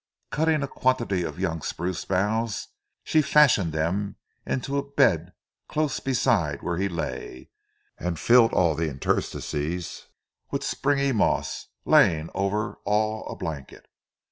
Cutting a quantity of young spruce boughs she fashioned them into a bed close beside where he lay, and filled all the interstices with springy moss, laying over all a blanket.